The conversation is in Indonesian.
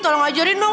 tolong ajarin dong